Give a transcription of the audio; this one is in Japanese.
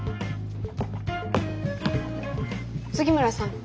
杉村さん